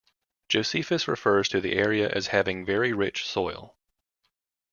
Josephus refers to the area as having very rich soil.